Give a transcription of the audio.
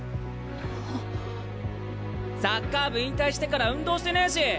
サッカー部引退してから運動してねえし。